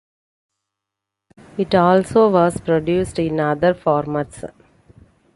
It also was produced in other formats.